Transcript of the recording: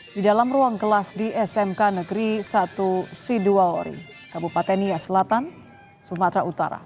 di dalam ruang kelas di smk negeri satu sidoaori kabupaten nias selatan sumatera utara